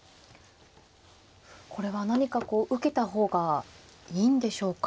これは何かこう受けた方がいいんでしょうか。